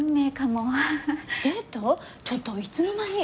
ちょっといつの間に？